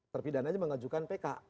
terpidananya mengajukan pk